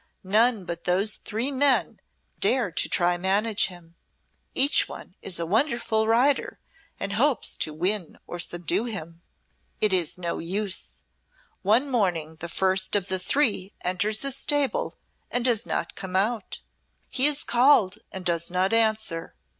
None but those three men dare try to manage him. Each one is a wonderful rider and hopes to win or subdue him. It is no use. One morning the first of the three enters his stable and does not come out. He is called and does not answer.